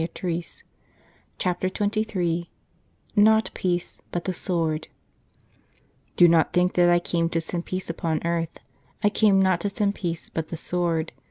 155 CHAPTER XXIII "NOT PEACE, BUT THE SWORD" " Do not think that I came to send peace upon earth ; I came not to send peace, but the sword.